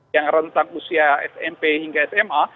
yang rentang usia smp hingga sma